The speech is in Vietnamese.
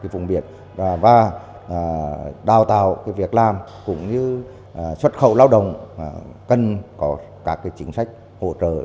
vùng biển và đào tạo việc làm cũng như xuất khẩu lao động cần có các chính sách hỗ trợ